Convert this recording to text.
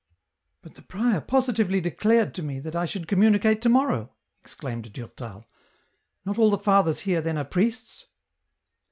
But the prior positively declared to me that I should communicate to morrow !" exclaimed Durtal. " Not all the fathers here, then, are priests